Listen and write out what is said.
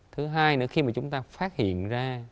thứ hai nữa khi mà chúng ta phát hiện ra